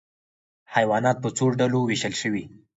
حیوانات په څو ډلو ویشل شوي؟